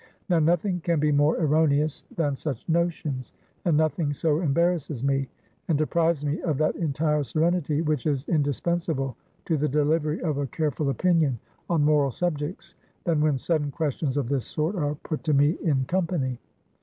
Now, nothing can be more erroneous than such notions; and nothing so embarrasses me, and deprives me of that entire serenity, which is indispensable to the delivery of a careful opinion on moral subjects, than when sudden questions of this sort are put to me in company.